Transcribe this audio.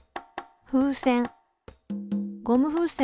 風船。